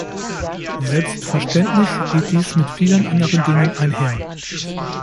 Selbstverständlich geht dies mit vielen anderen Dinge einher.